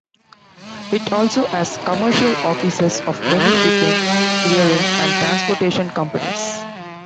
It also has commercial offices of many shipping, clearing and transportation companies.